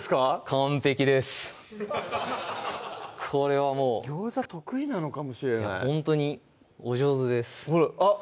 完璧ですこれはもう餃子得意なのかもしれないほんとにお上手ですあっ